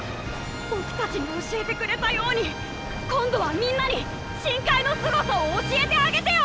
僕たちに教えてくれたように今度はみんなに深海のすごさを教えてあげてよ！